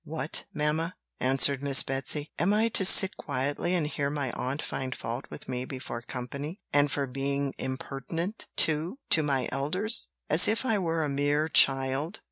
"What, mamma!" answered Miss Betsy, "am I to sit quietly and hear my aunt find fault with me before company and for being impertinent, too, to my elders as if I were a mere child?"